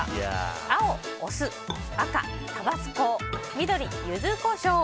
青、酢赤、タバスコ緑、ユズコショウ。